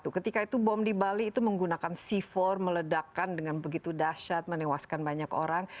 ketika itu bom di bali itu menggunakan c empat meledakan dengan begitu dahsyat menewaskan banyak orang